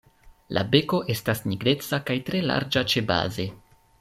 La beko estas nigreca kaj tre larĝa ĉebaze.